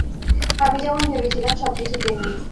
আমি যেমন ভেবেছিলাম সবকিছু তেমনি।